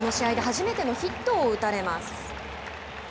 この試合で初めてのヒットを打たれます。